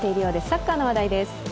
サッカーの話題です。